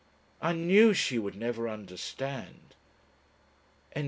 "I knew she would never understand."